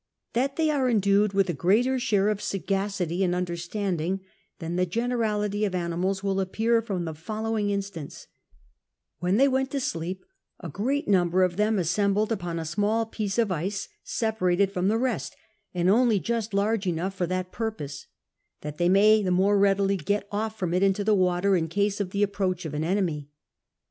That they are endued with a greater share of sagataty and understand ing than the generality of animals will appear from the following instance: when they went to sleep, a great number of them assembled upon a small piece of ice separated from the rest, and only just large enough for that purposfi ; that they may the more readily get off from it into the water in case of tlie approach of an enemy.